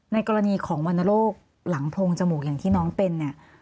ในกรณีของวันโรคหลังโพงจมูกอย่างที่น้องเป็น